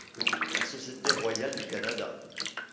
La Société royale du Canada.